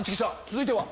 続いては。